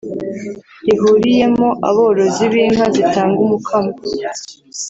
rihuriyemo aborozi b’inka zitanga umukamo